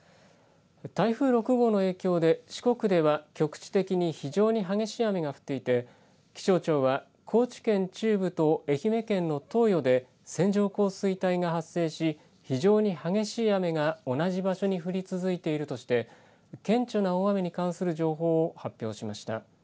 台風６号の影響で四国では局地的に非常に激しい雨が降っていて気象庁は高知県中部と愛媛県の東予で線状降水帯が発生し非常に激しい雨が同じ場所に降り続いているとして顕著な大雨に関する情報を発表しました。